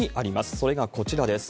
それがこちらです。